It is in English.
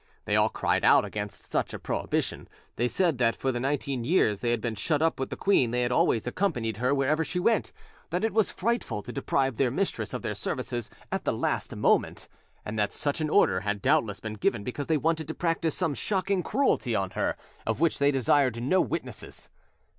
They all cried out against such a prohibition: they said that for the nineteen years they had been shut up with the queen they had always accompanied her wherever she went; that it was frightful to deprive their mistress of their services at the last moment, and that such an order had doubtless been given because they wanted to practise some shocking cruelty on her, of which they desired no witnesses.